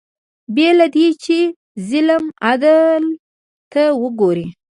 بې له دې چې ظلم عدل ته وګوري